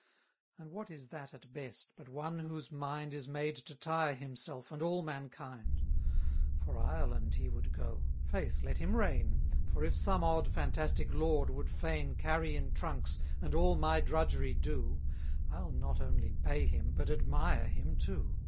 And what is that at best, but one whose mind Is made to tire himself and all mankind? For Ireland he would go; faith, let him reign; For if some odd, fantastic lord would fain Carry in trunks, and all my drudgery do, 130 I'll not only pay him, but admire him too.